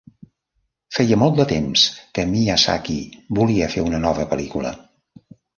Feia molt de temps que Miyazaki volia fer una nova pel·lícula.